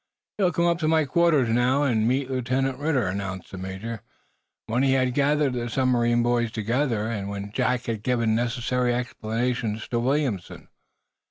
"You'll come up to my quarters, now, and meet Lieutenant Ridder," announced the Major, when he had gathered the submarine boys together, and when Jack had given necessary explanations to Williamson.